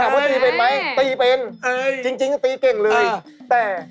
ว่าตีเป็นไหมตีเป็นจริงตีเก่งเลยแต่